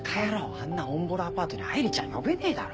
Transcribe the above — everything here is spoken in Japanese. あんなおんぼろアパートに愛梨ちゃん呼べねえだろ。